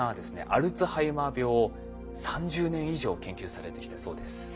アルツハイマー病を３０年以上研究されてきたそうです。